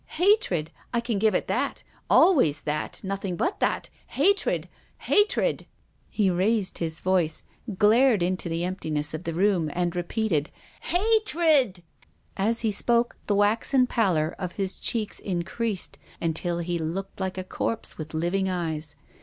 •' Hatred ! I can give it that, — always that, noth ing but that — hatred, hatred," He raised his voice, glared into the emptiness of the room, and repeated, " Hatred I " As he spoke the waxen pallor of his cheeks in creased, until he looked like a corpse with living eyes.